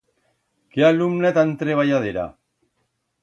Qué alumna tan treballadera!